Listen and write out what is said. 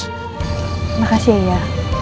terima kasih ya